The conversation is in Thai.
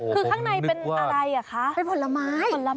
คือข้างในเป็นอะไรแหละคะ